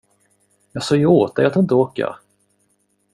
Jag sa ju åt dig att inte åka.